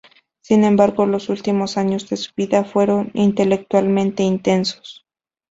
Sin embargo los últimos años de su vida fueron intelectualmente intensos.